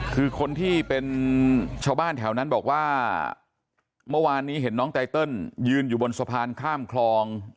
คือคนที่เป็นชาวบ้านแถวนั้นบอกว่าเมื่อวานนี้เห็นน้องไตเติลยืนอยู่บนสะพานข้ามคลอง